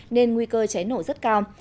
nên nguy cơ cháy nổ rất cao